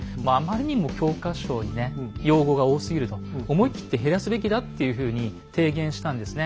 思い切って減らすべきだっていうふうに提言したんですね。